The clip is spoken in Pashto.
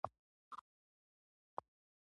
د پښتنو په کلتور کې خوب لیدل تعبیر لري.